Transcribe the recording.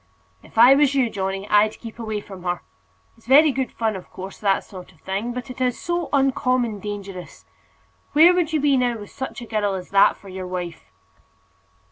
"If I was you, Johnny, I'd keep away from her. It's very good fun, of course, that sort of thing; but it is so uncommon dangerous! Where would you be now with such a girl as that for your wife?"